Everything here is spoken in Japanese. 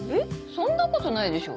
そんなことないでしょ。